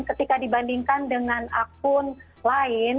ketika dibandingkan dengan akun lain